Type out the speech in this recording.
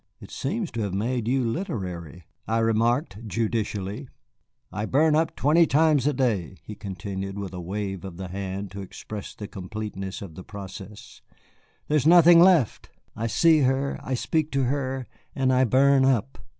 "It seems to have made you literary," I remarked judicially. "I burn up twenty times a day," he continued, with a wave of the hand to express the completeness of the process; "there is nothing left. I see her, I speak to her, and I burn up."